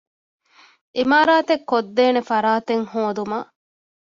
ޢިމާރާތެއް ކޮށްދޭނެ ފަރާތެއް ހޯދުމަށް